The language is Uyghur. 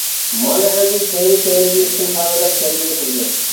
مانا ئەمدى كەينى-كەينىدىن شۇم خەۋەرلەر كەلگىلى تۇردى.